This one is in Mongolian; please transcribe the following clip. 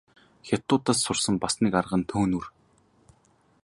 Хятадуудаас сурсан бас нэг арга нь төөнүүр.